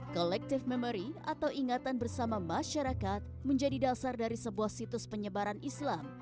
collective memory atau ingatan bersama masyarakat menjadi dasar dari sebuah situs penyebaran islam